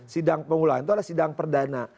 sidang pemulaan itu adalah sidang perdana